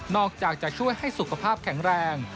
อกจากจะช่วยให้สุขภาพแข็งแรง